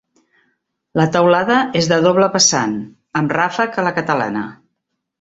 La teulada és de doble vessant, amb ràfec a la catalana.